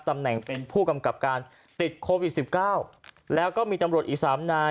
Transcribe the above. ตำแหน่งเป็นผู้กำกับการติดโควิดสิบเก้าแล้วก็มีตำรวจอีกสามนาย